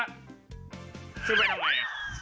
ขึ้นไปทำไม